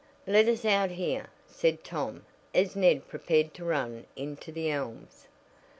"Let us out here," said Tom as Ned prepared to run into The Elms.